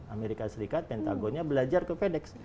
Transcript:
amerika serikat pentagonnya belajar ke fedex